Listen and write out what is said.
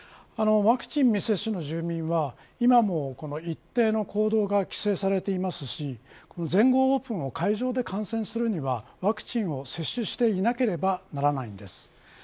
ワクチン未接種の住民は今も一定の行動が規制されていますし全豪オープンを会場で観戦するにはワクチンを接種していなければならないんです。